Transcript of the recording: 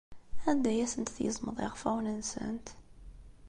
Anda ay asent-tgezmeḍ iɣfawen-nsent?